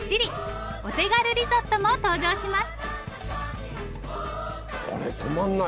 お手軽リゾットも登場します。